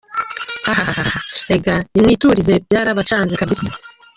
ahahahah erega nimwiturize byarabacanze kabisa ,